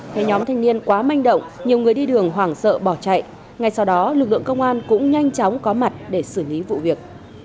thấy nhóm thanh niên quá manh động nhiều người đi đường hoảng sợ bỏ chạy ngay sau đó lực lượng công an cũng nhanh chóng có mặt để xử lý vụ việc